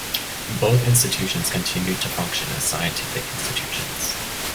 Both institutions continued to function as scientific institutions.